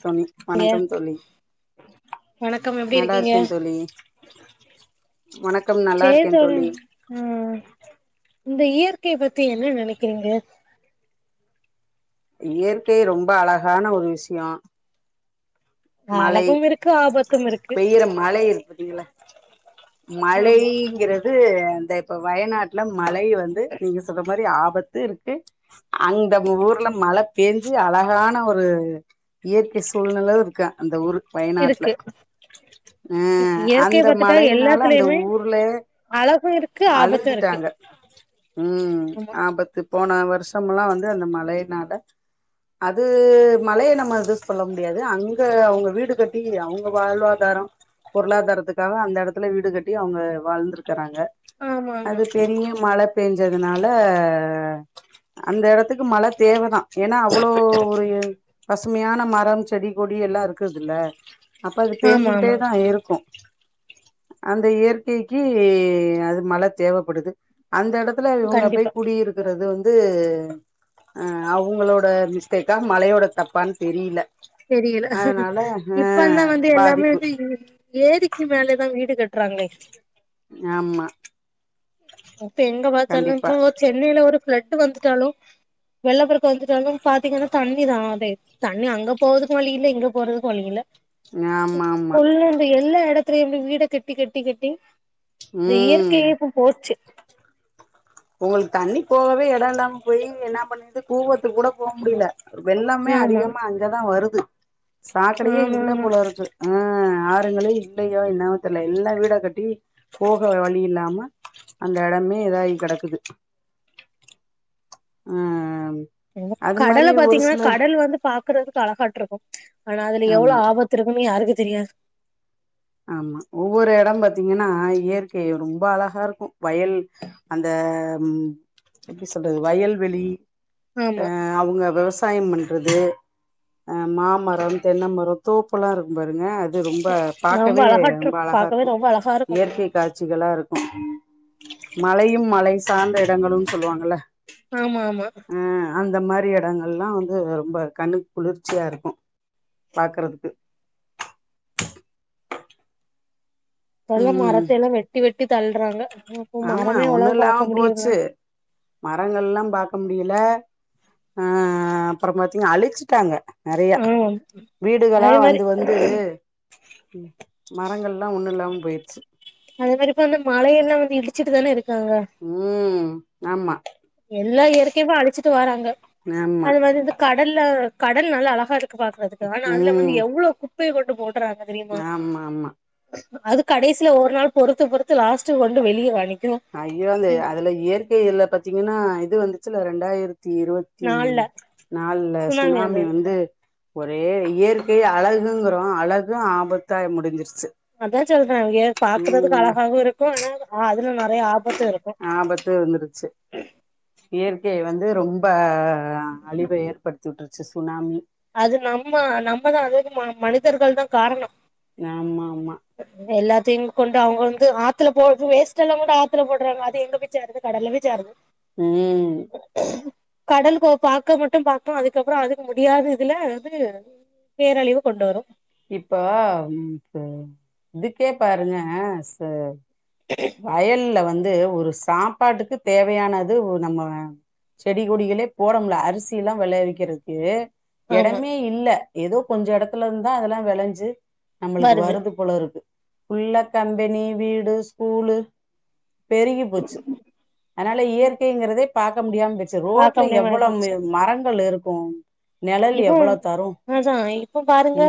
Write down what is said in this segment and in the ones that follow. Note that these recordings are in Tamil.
தொழி வணக்கம் தோழி வணக்கம் எப்டி நல்லா இருக்கீங்க இருக்கே தோழி வணக்கம் நல்லா இருக்கே தோழி ம் இந்த இயற்கை பத்தி என்ன நெனக்கிறீங்க இயற்கை ரொம்ப அழகான ஒரு விஷ்யோ அ அழகும் இருக்கு ஆப பெய்யுற மழை இருக்குது பாத்திங்ளா ஆமா மழைங்குறது வந்து இந்த இப்ப வயநாட்ல மழை வந்து நீங்க சொல்ற மாரி ஆபத்து இருக்கு அந்த ஊர்ல மழ பேஞ்சு அழகான ஒரு இயற்கை சூழ்நில இருக்கா அந்த ஊரு வயநாட்ல இருக்கு அ இயற்கைய அந்த பாத்துட்டா மழையினால அந்த எல்லாத்துலயுமே ஊர்லே அழகு இருக்கு ஆபத்து இருக்கு அழுஞ்சிட்டாங்க ம் ஆமா ஆபத்து போன வருஷம்லா வந்து அந்த மழையினால அது மழைய நம்ம எதுவு சொல்ல முடியாது அங் க அவுங்க வீடு கட்டி அவுங்க வாழ்வாதாரோ பொருளாதாரத்துக்காக அந்த எடத்துல வீடு கட்டி அவுங்க வாழ்ந்திருக்கறாங்க ஆமா ஆமா அது பெரிய மழ பெஞ்சதுனால அந்த எடத்துக்கு மழ தேவதா ஏனா அவ்ளோ ஒரு பசுமையான மரம் செடி கொடி எல்லா இருக்குது இல்ல அப்ப அது ஆமா பெஞ்சுகிட்டே ஆமா தா இருக்கு அந்த இயற்கைக்கி அது மழ தேவப்படுது அந்த எடத் துல இவங்க கண்டிப்பா போய் குடியிருக்கிறது வந்து அ அவங்களோட மிஸ்டேக்கா மழையோட தப்பான் தெரியல தெரியல அதனால ஆ இப்பந் தா வந்து எல்லாமே பாதிப்பு வந்து ஏரிக்கு மேலேதா வீடு கட்டுறாங்களே ஆமா இப்ப எங்க பாத்தாலு கண்டிப்பா இப்ப சென்னைல ஒருஃப்ளட்டு வந்துட்டாலு வெள்ள பெருக்கு வந்துட்டு வந்து பாத்திங்கன்னா தண்ணி தா அதே தண்ணி அங்க போறதுக்கு வழி இல்ல இங்க போறதுக்கு வழி இல்ல ஆமா ஆமா ஃபுல்லா அந்த எல்லா எடத் துலயு வீட கெட்டி கெட்டி கெட்டி இந்த ம் இயற்கைய எப்ப போச்சு [unintelligible] ஒங்களுக்கு தண்ணி போகவே எடொ இல்லாம போயி என்ன பண்ணிருது கூவத்துக்கு கூட போக முடியல வெள்ளமே ஆமா அதிகமா அங்கெ தா வருது சாக்கடையே ஆமா இல்ல ஆமா போலருக்கு அ ஆறுங்களே இல்லையோ இன்னமோ தெர்ல எல்லா வீட கட்டி போக வழி இல்லாம அந்த எடமே இதாயி கெடக்குது ம் ம் கடல பாத்திங்ன்னா கடல் வந்து பாக்குறதுக்கு அழகாட்டு இருக்கு ஆனா அதுல ஆமா எவ்ளோ ஆபத்து இருக்குன்னு யாருக்கு தெரியாது ஆமா ஒவ்வொரு எடொ பாத்திங்கன்னா இயற்கை ரொம்ப அழகா இருக்கு வயல் அந்த ம் எப்டி சொல்றது வயல்வெளி அ ஆமா அவுங்க வெவசாய வெவசாயம் பண்றது மா மரொ தென்ன மரொ தோப்பல்லா இருக்கு பாருங்க ரொம்ப ரொம்ப பாக்கவே ரொம்ப அழகாட்ருக்கு அழகா பாக்கவே இருக்கு ரொம்ப அழகா இருக்கு இயற்கை காட்சிகளா இருக்கு மழையும் மழை சார்ந்த இடங்களும் சொல்லுவாங்கல்ல ஆமா ஆமா அ அந்த மாரி எடங்கள்லா வந்து ரொம்ப கண்ணுக் குளுர்ச்சியா இருக்கு பாக்குறதுக்கு இப்பெல்லா ம் மரத்த லா வெட்டி வெட்டி தள்றாங்க அப்போ ஆமா மரமே அவ்ளவா ஒன்னுல்லாம பாக்க முடியாதுங்க போச்சு மரங்கள்லா பாக்க முடியல அ அப்றொ பாத்திங்னா அழுச்சுட்டாங்க நெறையா ஆ வீடுகளா அதே மாரி வந்து வந்து மரங்கள்லா ஒன்னு இல்லாம போயிர்ச்சு அதே மாரி இப்ப வந்து மலையெல்லா வந்து இடிச்சிட்டு தானே இருக்காங்க ம் ஆமா எல்லா இயற்கைவு அழிச்சிட்டு வாராங்க ஆமா அது வந்து கடல்ல கடல் நல்லா அழகா இருக் பாக்குறதுக்கு ஆனா அதுல ம் வந்து எவ்ளோ குப்பைய கொண்டு போட்றாங்க தெரியுமா ஆமா ஆமா அது கடைசில ஒரு நாள் பொறுத்து பொறுத்து லாஸ்ட்டு கொண்டு வெளிய வா நிக்கு அய்யோ அது அதுல இயற்கைல்ல பாத்திங்கன்னா இது வந்துச்சுல ரெண்டாயிரத்தி இருவத் தி நாள்ல நாலுல சுனாமி வந்து ஒரே இயற்கை அழகுங்றோ அழகு ஆபத்தா முடிஞ்சிருச்சு அதா சொல்றே எ பாக்குறதுக்கு ம் அழகாவு இருக்கு ஆனா அதுல நெறைய ஆபத்து இருக்கு ஆபத்து இருந்துருச்சு இயற்கை வந்து ரொம்ப அழிவ ஏற்படுத்தி வுட்ருச்சு சுனாமி அது நம்ம நம்மதா அதாவ்து மனிதர்கள் தா காரணொ ஆமா ஆமா எல்லாத்தையு கொண்டு அவுங்க வந்து ஆத்துல போடுது வேஸ்ட் எல்லா கூட ஆத்துல போட்றாங்க அது எங்க போய் சேருது கடல்ல போய் சேருது ம் கடல் கொ பாக்க மட்டு பாக்கு அதுக்கப்பறொ அதுக்கு முடியாத இதுல வந்து பேரழிவு கொண்டு வரு இப்போ இப்பு இதுக்கே பாருங்க ச வயல்ல வந்து ஒரு சாப்பாட்டுக்கு தேவையானது நம்ம செடி கொடிகளே போடமுல்ல அரிசில்லா வெளையவக்கிறதுக்கு ஆமா எடமே இல்ல ஏதோ கொஞ்ச எடத்துலருந்தா அதெல்லா வெளைஞ்சு நம்மளுக்கு வருது போலருக்கு ஃபுல்லா கம்பெனி வீடு ஸ்கூலு பெருகி போச்சு அனால இயற்கைங்றதே பாக்க முடியாம பெய்ர் ச்சு பாக்க ரோட்ல முடியாம ஆயி எவ்ளோ போச்சு மரங்கள் இருக்கு நெழல் இது எவ்வளோ தரு அதா இப்போ பாருங்க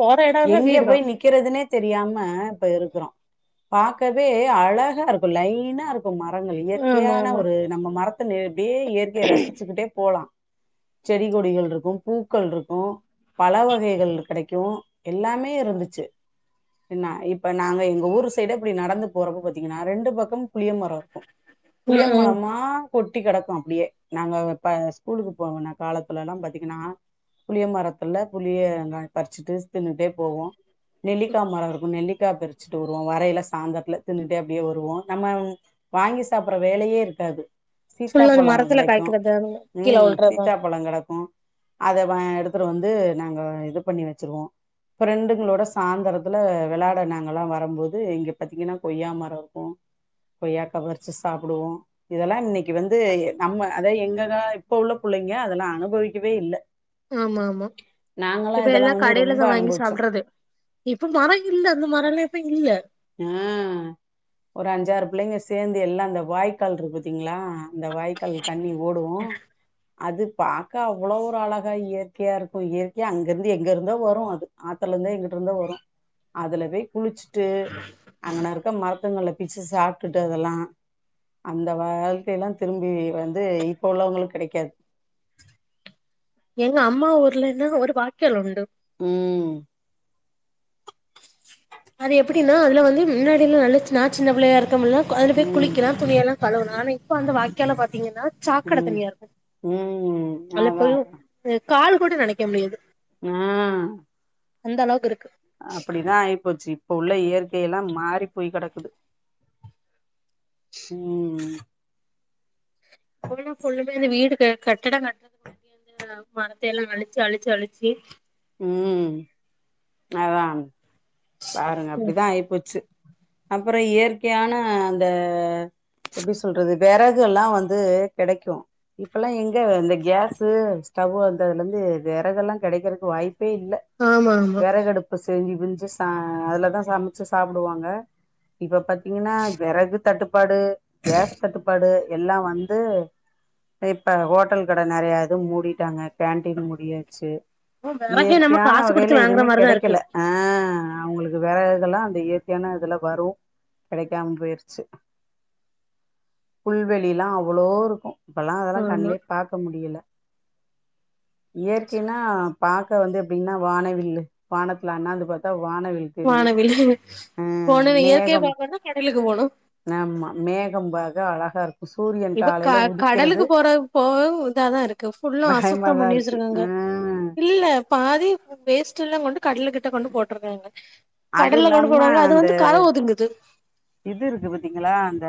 போற எடோல்லா வீடுதா க்கிறதுனே தெரியாம இப்ப இருக்குறோ பாக்கவே அழகாருக்கு லைனாருக்கு க்கு மரங்கள் ஆமா இயற்கையான ஆமா ஒரு நம்ம மரத்த நி அப்டியே இயற்கையை ரசிச்சுக்கிட்டே போலா செடி கொடிகள் இருக்கு பூக்கள் இருக்கு பல வகை கள் கெடைக்கு எல்லாமே இருந்துச்சு என்னா இப்ப நாங்க எங்க ஊர் சைடே இப்டி நடந்து போறப்ப பாத்தீங்கன்னா ரெண்டு பக்கம் புளிய மரோ இருக்கு புளிய ம் ம் மரமா கொட்டி கடக்கு அப்டியே நாங்க அப்ப ஸ்கூலுக்கு போன காலத்துலல்லா பாத்தீங்கன்னா புளிய மரத்துல புளிய பறிச்சுட்டு தின்னுட்டே போவோ நெல்லிக்கா மரோருக்கு நெல்லிக்கா பறிச்சுட்டு வருவோ வரையில சாந்தரத்துல தின்னுட்டே அப்படியே வருவோ நம்ம வாங்கி சாப்பர்ற வேலையே இருக்காது ஃபுல்லா அந்த சீத்தாப்பழோ மரத்துல கெடைக்கு காய்க்கிறது அதுங்க கீழ ம் உழ்றதா சீத்தாப்பழோ கெடக்கு அத வா எடுத்துட்டு வந்து நாங்க இது பண்ணி வச்சுருவோ ஃபிரெண்டுங்களோட சாந்தரத்துல வெளாட நாங்கலா வரும்போது இங்க பாத்தீங்கன்னா கொய்யா மரோ இருக்கு கொய்யாக்கா பறிச்சு சாப்புடுவோ இதெல்லா இன்னைக்கி வந்து நம்ம அதாவது எங்க கா இப்ப உள்ள புள்ளைங்க அதெல்லா அனுபவிக்கவே இல்ல ஆமாமா நாங்கல்லா இதெல்லா இப்பல்லா வந்து ரொம்ப கடையிலதா வாங்கி அனுபவிச்சோ சாப்ட்றது இப்ப மரோ இல்ல அந்த மரோல்லா இப்ப இல்ல ஆ ஒரு அஞ்சாறு புள்ளைங்க சேந்து எல்லா அந்த வாய்க்கால் இருக்கு பத்தீங்களா அ அந்த வாய்க்கால் தண்ணி ஓடு அது பாக்க அவ்ளோ ஒரு அழகா இயற்கையாருக்கு இயற்கையா அங்கருந்து எங்கருந்தோ வரு அது ஆத்துலருந்தோ எங்குட்டு இருந்தோ வரு அதுல போய் குளிச்சுட்டு அங்கன இருக்க மரத்துங்கள்ள பிச்சு சாப்புட்டுட்டு அதெல்லா அந்த வாழ்க்கைலா திரும்பி வந்து இப்போ உள்ளவங்களுக்கு கெடைக்காது எங்க அம்மா ஊர்லன்னா ஒரு வாய்க்கால் உண்டு ம் அது எப்பிடின்னா அதுல வந்து முன்னாடிலா நல்லா நா சின்ன புள்ளையா இருக்கும் போதுலா அதுல போய் ம் குளிக்கலா துணியெல்லா கழுவுவலா ஆனா இப்ப அந்த வாய்க்கால பாத்தீங்கன்னா சாக்கட ம் தண்ணியா இருக்கு ம் அதுல அதா போய் அதா கால் கூட நெனைக்க முடியாது ந அந்த அளவுக்கு இருக்கு அப்படிதா ஆயிப்போச்சு இப்ப உள்ள இயற்கையெல்லா மாறி போய் கெடக்குது ம் கொழு கொழுன்னு இந்த வீடுக்கு கட்டடோ கட் அ பணத்தையெல்லா அழிச்சு அழிச்சு அழிச்சு ம் அதா பாருங்க அப்படிதா ஆயிப்போச்சு அப்புறோ இயற்கையான அந்த எப்படி சொல்றது வெறகுலா வந்து கெடைக்கு இப்பலா எங்க இந்த கேஸு ஸ்டவ்வு வந்ததுல இருந்து வெரகெல்லா கெடைக்குறதுக்கு வாய்ப்பே இல்ல ஆமா ஆமா வெறகடுப்பு இப்ப செஞ்சு விஞ்சு ச அதுலதா சமைச்சு சாப்பிடுவாங்க இப்ப பாத்தீங்கன்னா வெறகு தட்டுப்பாடு கேஸ் தட்டுப்பாடு எல்லா வந்து இப்ப ஹோட்டல் கட நெறையா இது மூடிட்டாங்க கேன்டீன் மூடியாச்சு வெறகே நம்ம இயற்கையான காசு கொடுத்து வகையில வாங்குற எதுவுமே மாதிரிதா இருக்கு கெடைக்கல ஆ அவங்களுக்கு வேற இதெல்லா அந்த இயற்கையான இதுல வரும் கெடைக்காம போயிருச்சு புல்வெளிலா அவ்வளோ இருக்கு இப்பலா அதெல்லா ஆமா கண்லயே பாக்க முடியல இயற்கைனா பாக்க வந்து எப்படின்னா வானவில்லு வானத்துல அண்ணாந்து பாத்தா வானவில் தெரியும உம் போனு இயற்கைய பாக்கனும்னா கடலுக்கு போணு ஆமா மேகம் பாக்க அழகா இருக்கு சூரியன் இப்ப க காலையில கடலுக்கு உதிக்கிறது போறது போகவு இதாதா இருக்கு ஃபுல்லா அசுத்தம் பயமாதா பண்ணி வெ இருக்கு ஆ வச்சுருக்காங்க இல்ல பாதி வேஸ்ட் எல்லா கொண்டு கடலுக்கு கிட்ட கொண்டு போட்டுருக்காங்க அது கடல்ல கொண்டு இல்லாம போடுவாங்க அது அந்த வந்து கர ஒதுங்குது இது இருக்கு பாத்தீங்களா அந்த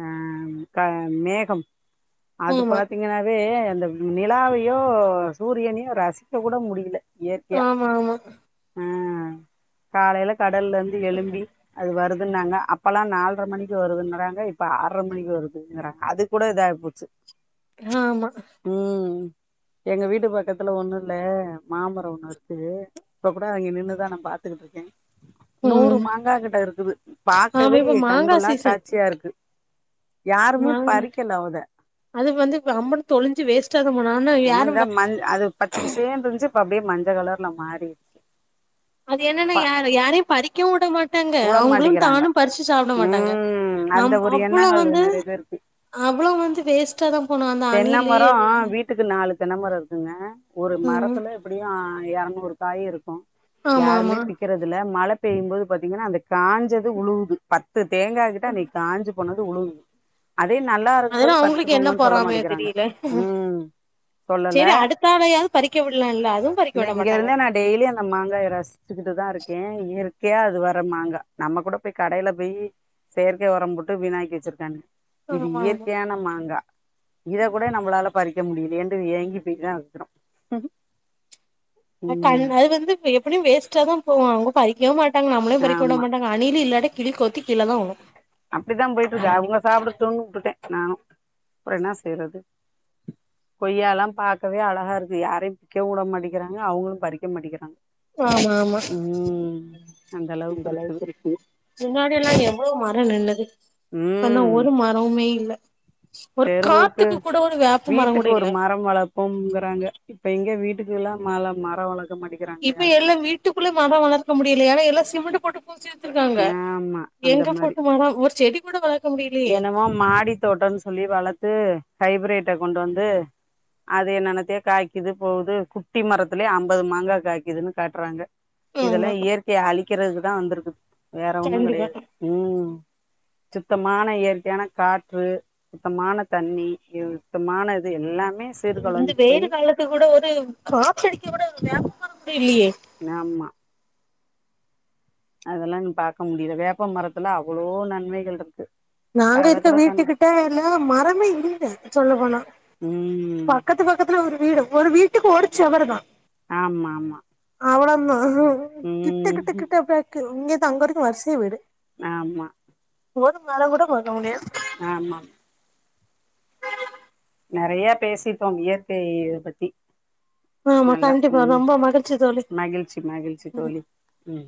ஆ க மேகம் அது ஆமா பாத்தீங்கன்னாவே அந்த நிலாவையோ சூரியனையோ ரசிக்க கூட முடியல இயற்கையா ஆமா ஆமா அ காலையில கடல்ல இருந்து எலும்பி அது வருதுன்னாங்க அப்போலா நால்ர மணிக்கு வருதுன்றாங்க இப்போ ஆர்ர மணிக்கு வருதுங்கிறாங்க அது கூட இதாகி போச்சு ஆமா ம் எங்க வீடு பக்கத்துல ஒண்ணு இல்ல மாமர ஒண்ணு இருக்குது இப்ப கூட அங்க நின்னுதா நா பாத்துக்கிட்டு இருக்கே நூறு ம் மாங்கா கிட்ட க்குது ஆமா பாக்கவே இப்ப மாங்கா கண்கொள்ளா சீசன் காட்சியா இருக்கு யாருமே மாங் பறிக்கல அத அது வந்து வம்பனு தொளஞ்சி வேஸ்டாத போ ஆனா யாரும் இந்த வ மஞ் அது பச்சை பசேன்னு இருந்துச்சு இப்ப அப்டியே மஞ்ச கலர்ல மாறி அது என்னன்னா யார் யாரையு பறி க்கவு விட மாட்டாங்க உட அவங்களு மாட்டேங்கிறாங்க தானு பறிச்சு சாப்ட மாட்டாங்க ம் அந்த நம் ஒரு அவ்ளொ எண்ணங்கள் வந்து நெறைய பேருக்கு அவ்ளொ வந்து வேஸ்ட்டா தா போனு அந்த தென்ன அணிலு மரம் வீட்டுக்கு நாலு தென்னமர இருக்குங்க ஒரு ம் மரத்துல எப்படியு எரநூறு காய் இருக்கு ஆமா ஆமா யாருமே பிக்றதுல மழை பெய்யும் போது பாத்தீங்கன்னா அந்த காஞ்சது உழுவுது பத்து பத்து தேங்கா கிட்ட அன்னைக்கி காஞ்சி போனது உழுவுது அதே நல்லா இருக்கும்போது பரிச்சிக்கொங்கன்னு பொறாமையா தெரியல சொல்லல செரி அடுத்தால யாது பறிக்க விடலால்ல அதுவு பறிக்க இந்த விட மாட் இங்க இருந்தே நா டெயலி அந்த மாங்காய ரசி ச்சுக்கிட்டு தா இருக்கே இயற்கையா அது வர மாங்கா நம்ம கூட போய் கடையில போயி செயற்கை ஒரம் போட்டு வீனாக்கி வச்சிருக்காங்க இது ஆமா ஆமா இயற்கையான மாங்கா இத கூட நம்மளால பறிக்க முடியலயேன்டு ஏங்கி போய் தா இருக்கிறோ கண் ம் அது வந்து எப்டியு வேஸ்டா தா போவு அவங்க பறிக்கவே மாட்டாங்க நம்மளையு பறிக்க விட ஆமா மாட்டாங்க அணில இல்லா கிழி கொத்தி கீழ தா உளு அப்டிதா போயிட்டு இருக்கு அவங்க சாப்பிடட்டுனு விட்டுட்டே நானு ப்ற ன்னா செய்றது கொய்ய லா பாக்கவே அழகா இருக்கு யாரையு பிக்கவு வுட மாட்டேங்கிறாங்க அவங்களு பறிக்க மாட்டேங்கிறாங்க ஆமா ஆமா ம் அந்த அளவுக்கு இருக்குது முன்னாடியெல்லா எவ்ளோ மரோ நின்னது இப்பல்லா ம் ஒரு மரோமே இல்ல ஒரு தெருவுக்கு காத்துக்கு கூட ஒரு வேப்ப மரொங்கூட இல்ல போங்கறாங்க இப்ப எங்க வீட்டுக்குல்லா மேல மர வளக்க மாட்டே இப்ப எல்லா வீட்டுக்குள்ளே மர வளர்க்க முடியல ஏனா எல்லா சிமெண்ட்ட போட்டு பூச்சி எத்துருக்காங்க ஆமா அந்த எங்க மாரி போட்டு மரோ ஒரு செடி கூட வளர்க்க முடியலையே என்னமோ மாடி தோட்டம்னு சொல்லி வளத்து ஹைப்ரேட்ட கொண்டு வந்து அது என்னன்னத்தையோ காய்க்குது போகுது குட்டி மரத்துலயே அம்பது மாங்கா காய்குதுனு காட்றாங்க இதெல்லா ஆமா இயற்கைய அழிக்கிறதுக்குதா வந்திருக்குது வேற ஒண்ணு கண்டிப்பா கெடையாது ம் சுத்தமான இயற்கையான காற்று சுத்தமான தண்ணி இ சுத்தமான இது எல்லாமே இந்த சீர்குலைஞ்சு வெயிலு போய் காலத்துக்குட ஒரு காத்தடிக்க கூட ஒரு வேப்பமர கூட இல்லையே ஆமா அதெல்லா நீ பாக்க முடியல வேப்ப மரத்துல அவ்ளோ நன்மைகள் இருக்கு நாங்க அத இருக்க கூட கண் வீட்டுக்கிட்ட எல்ல மரமே இல்ல சொல்ல போனா ம் பக்கத்து பக் கத்துல ஒரு வீடு ஒரு வீட்டுக்கு ஓரு ச்சொவரு தா ஆம்மா ஆமா அவள தா கிட்ட கிட்ட ம் கிட்ட அப்பயே இங்க இருந்து அங்க வரைக்கு வரிசையா வீடு ஆமா ஒரு மரங் கூட பாக்க முடியாது ஆமா நெறைய பேசிட்டோம் இயற்கையித பத்தி ஆமா நல்லா கண்டிப்பா ம் ரொம்ப மகிழ்ச்சி தோழி மகிழ்ச்சி மகிழ்ச்சி ம் தோழி ம்